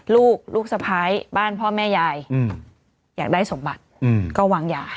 ลูกลูกสะพ้ายบ้านพ่อแม่ยายอยากได้สมบัติก็วางยา